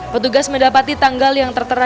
petugas mendapati tanggal yang tertera